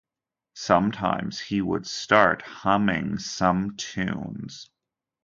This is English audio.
Sometimes he would start humming some tunes.